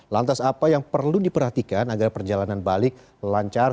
lantas apa yang perlu diperhatikan agar perjalanan balik lancar